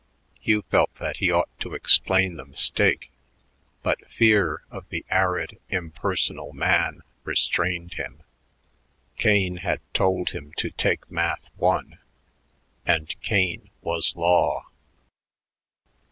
Hugh felt that he ought to explain the mistake, but fear of the arid, impersonal man restrained him. Kane had told him to take Math I; and Kane was law.